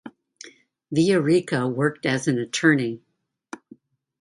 Villarica worked as an attorney.